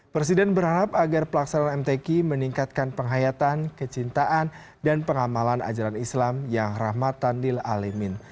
presiden berharap agar pelaksanaan mtq meningkatkan penghayatan kecintaan dan pengamalan ajaran islam yang rahmatan lil'alimin